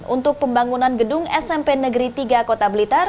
untuk pembangunan gedung smp negeri tiga kota blitar